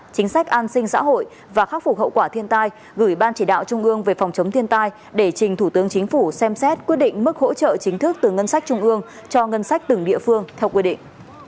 chính sách an sinh xã hội và khắc phục hậu quả thiên tai gửi ban chỉ đạo trung ương về phòng chống thiên tai để trình thủ tướng chính phủ xem xét quyết định mức hỗ trợ chính thức từ ngân sách trung ương cho ngân sách từng địa phương theo quy định